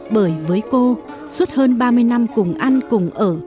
bởi với cô suốt hơn ba mươi năm cùng ăn cùng ở